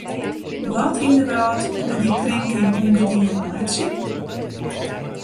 Wat yn de wrâld koe dy krinking ûngedien meitsje?